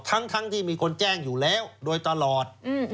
ทั้งที่มีคนแจ้งอยู่แล้วโดยตลอด